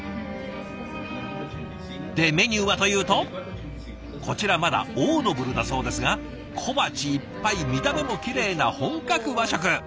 でメニューはというとこちらまだオードブルだそうですが小鉢いっぱい見た目もきれいな本格和食！